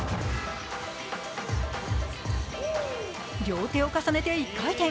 両手を重ねて１回転。